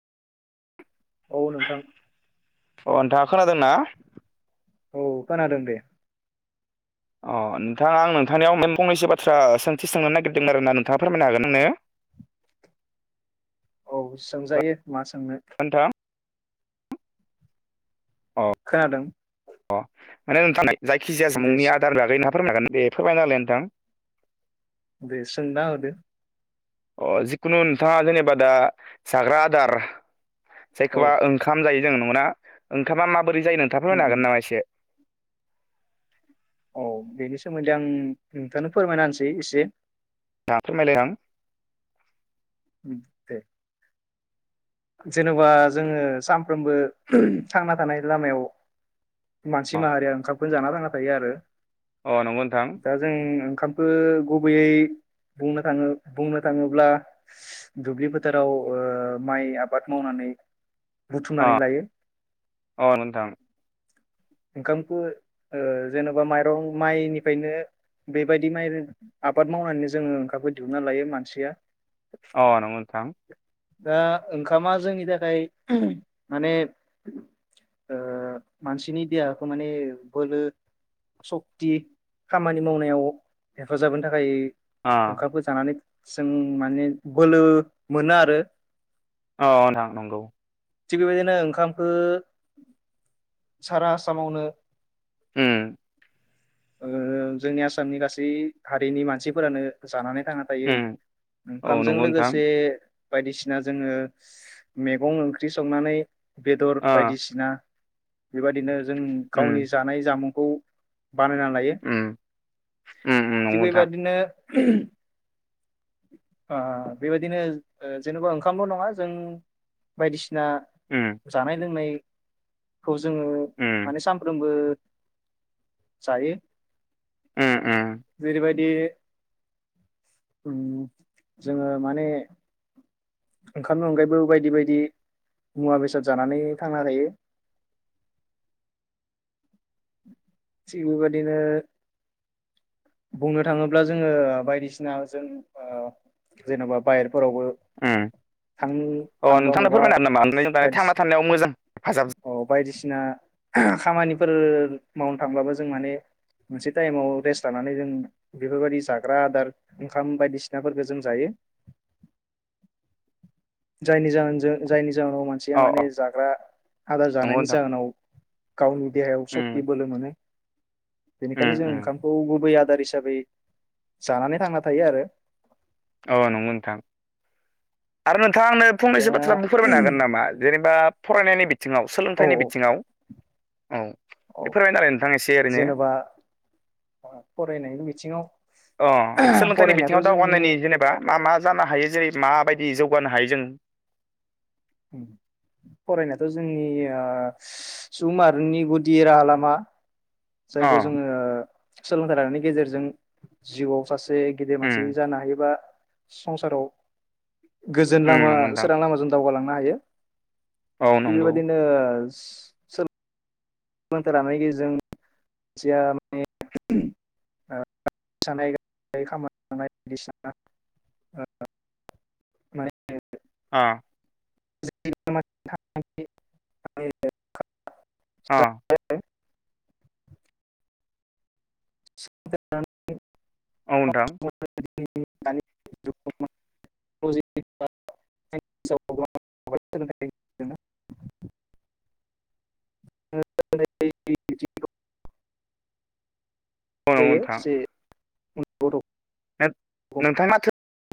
औ नोंथां। अ नोंथाङा खोनादोंना? औ खोनादों दे। अ नोंथाङा आं नोंथांनियाव फंनैसो बाथ्रा सोंथि सोंनो नागिरदोंमोन आरोना नोंथाङा फोरमायनो हागोन नोङो। औ सोमजायो। मा सोंनो नोंथां अ खोनादों? अ माने नोंथां जायखिजाया दे जामुंनि आदार बागै ना। फोरमायगोन दे फोरमायनाहोलाय नोंथां। दे सोंना होदो अ जिखुनु नोंथाङा जेनेबा दा जाग्रा आदार औ जायखौबा ओंखाम जायो। जों नङा ओंखामा मा माबोरैजायो नोंथां उम फोरमायनो उम हागोन नामा एसे औ बेनि सोमोन्दै आं नोंथांनो फोरमायनाहोनोसै एसे दा फोरमायलाय आं उम दे जेन'बा जोङो सानफ्रोमबो थांना थानाय लामायाव मानसि माहारिया ओंखाम खौ जाना थांना थायो आरो अ नंगौ नोंथां। दा जों ओंखामखौ गुबैयै बुंनो थाङो बुंनो थाङोब्ला दुब्लि फोथाराव ओ माइ आब बाद मावनानै अ बुथुमनानै लायो अ नोंथां। ओंखामखौ ओ जेन'बा माइरं माइनिफ्रायनो बेबायदि माइ आबाद मावनानैनो जोङो ओंखामखौ दिहुनना लायो मानसिया। अ नोंगौ नोंथां। दा ओंखामा जोंनि थाखाय माने ओ मानसिनि देहाखौ माने बोलो सक्ति खामानि मावनायाव हेफाजाब होनो थाखाय अ ओंखामखौ जानानै जों माने बोलो मोनो आरो औ नोंथां नंगौ थिग बेबायदिनो ओंखामखो सारा आसामाव नो होम जोंनि आसामनि गासै हारिनि मानसिफोरानो जानानै थांना थायो उम औ ओंखामजों नंगौ नोंथां लोगोसे बायदिसिना जोङो मैगं ओंख्रि संनानै बेदर अ बायदिसिना बेबायदिनो जों उम गावनि जानाय जामुं खौ बानायना लायो उम उम थिग नंगौ नोंथां बेबादिनो बेबायदिनो जेनेबा ओंखामल' नङा जों बायदिसिन सिना उम जानाय लोंनाय खौ उम जोङो फ्रोमबो जायो। उम उम जेरैबाय [unintelligible] जोङो माने ओंखामनि अनगायैबो बायदि बायदि मुवा बेसाद जानानै थांना थायो। थिग बेबायदिनो बुंनो थाङोब्ला जोङो बायदिसिना जों जेन'बा बायेर उम अ थांबा नोंथांनो मबा फोरमायनो [unintelligible] नामा बायदिसि थांना थानायाव मोजां [unintelligible] अ बायदिसिना खामानिफोर मावनो थांब्लाबो जों माने मोनसे टाइमाव रेस्ट लानानै जों बेफोरबायदि जाग्रा आदार ओंखाम बायदिसिनाफोरखौ जों जायो। जायनि जाहोन जो जायनि जाउनाव मानसिया अ अ माने जाग्रा आदार नंगौ जानायनि नोंथां जाहोनाव गावनि देहायाव सख्ति उम बोलो मोनो उम बेनिखायनो जों उम ओंखामखौ गुबै आदार हिसाबै हिसाबै जानानै थांना थायो आरो औ नंगौ नोंथां आरोना नोंथां आ आंनो दा फंनैसो बाथ्रा बुं फोरमाय हागोन नामा जेनेबा फरायनायनि बि बिथिङाव औ सोलोंथाइनि बिथिङाव औ औ बे फोरमायनो आरो नोंथां एसे ओरैनो जेनेबा फरायनायनि बिथिङाव अ सोलोंथाइनि फरायनायाथ' बिथिङाव जोंनि दावगानायनि जेनेबा मा मा जानो हायो जेरै माबायदि जौगानो हायो जों फरायनायाथ' जोंनि सुबुंमाहारिनि गुदि राहा लामा। अ जायखौ जोङो सोलोंथाइ लानायनि गेजेरजों जिउआव सास जे गिदिर मानसि उम जानो हायोबा संसाराव गोजोन उम लामा नंगौ नोंथां सोरां लामाजों दावगालांनो मायो। औ नंगौ बेबायदिनो सोल सोलोंथाइ लानायनि गेजेरजों [unintelligible] [unintelligible] अ। [unintelligible] अ। [unintelligible] औ नोंथां। [unintelligible] [unintelligible] औ नंगौ जायो नोंथां जे बर'। नोंथाङा माथो